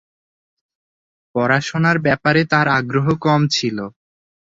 পড়াশুনার ব্যাপারে তার আগ্রহ কম ছিল।